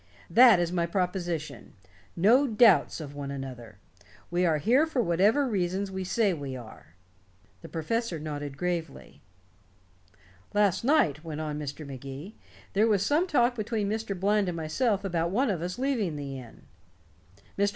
That is my proposition. No doubts of one another. We are here for whatever reasons we say we are." The professor nodded gravely. "Last night," went on Mr. Magee, "there was some talk between Mr. Bland and myself about one of us leaving the inn. Mr.